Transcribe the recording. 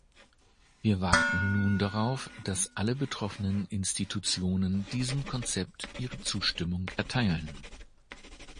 Wir warten nun darauf, dass alle betroffenen Institutionen diesem Konzept ihre Zustimmung erteilen.